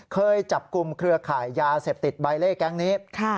เคยจับกลุ่มเครือข่ายยาเสพติดใบเล่แก๊งนี้